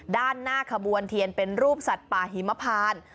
ด้านหน้าขบวนเทียนเป็นรูปสัตว์ป่าหิมพาน